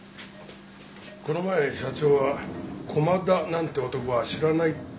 この前社長は駒田なんて男は知らないとおっしゃいました。